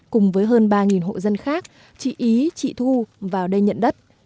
cùng với hơn ba hộ dân khác chị ý chị thu vào đây nhận đất